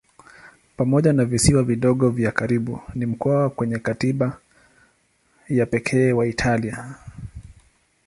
Pamoja na visiwa vidogo vya karibu ni mkoa wenye katiba ya pekee wa Italia.